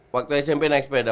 waktu smp naik sepeda